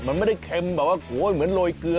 มันไม่ได้เค็มแบบว่าเหมือนโรยเกลือ